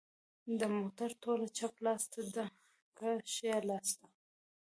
د موټر توله چپ لاس ته ده که ښي لاس ته